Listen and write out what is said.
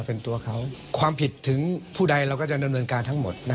เป็นตัวเขาความผิดถึงผู้ใดเราก็จะดำเนินการทั้งหมด